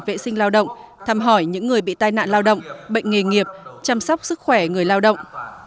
vệ sinh lao động thăm hỏi những người bị tai nạn lao động bệnh nghề nghiệp chăm sóc sức khỏe người lao động